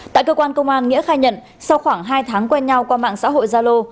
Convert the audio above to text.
tại cơ quan công an nghĩa khai nhận sau khoảng hai tháng quen nhau qua mạng xã hội gia lô